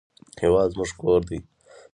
هېواد زموږ کور دی